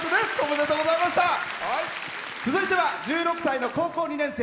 続いては１６歳の高校２年生。